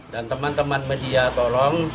teman teman media tolong